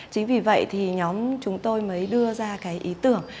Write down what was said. chính vì vậy thì nhóm chúng tôi mới đưa ra cái ý tưởng